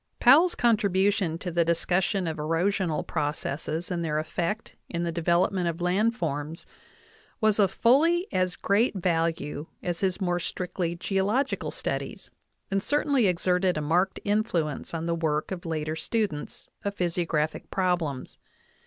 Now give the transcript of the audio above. Powell's contribution to the discussion of erosional processes, and their effect in the development of land forms was of fully as great value as his more strictly geological studies, and cer tainly exerted a marked influence v ii the work of later stu dents of physiographic problems.